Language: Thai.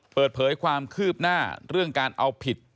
เปิดเผยความคืบหน้าเรื่องการเอาผิด